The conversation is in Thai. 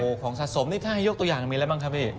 โอ้โหของสะสมนี่ถ้าให้ยกตัวอย่างมีอะไรบ้างครับพี่